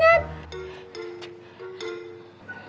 nat nat pintunya kekunci